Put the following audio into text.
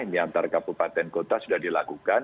ini antar kabupaten kota sudah dilakukan